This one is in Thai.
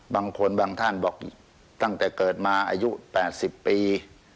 บางคนบางท่านบอกตั้งแต่เกิดมาอายุ๘๐ปี